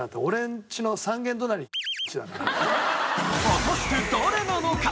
果たして誰なのか？